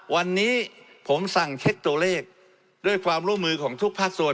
วันนี้ผมสั่งเช็คตัวเลขด้วยความร่วมมือของทุกภาคส่วน